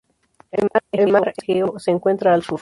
El Mar Egeo se encuentra al sur.